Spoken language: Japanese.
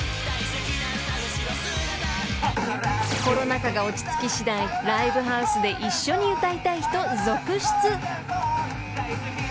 ［コロナ禍が落ち着きしだいライブハウスで一緒に歌いたい人続出］